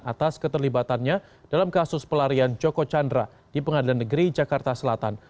atas keterlibatannya dalam kasus pelarian joko chandra di pengadilan negeri jakarta selatan